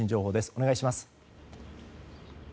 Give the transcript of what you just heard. お願いします。